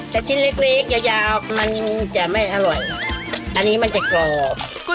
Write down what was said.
แต่ชิ้นเล็กเล็กยาวยาวมันจะไม่อร่อยอันนี้มันจะกรอบ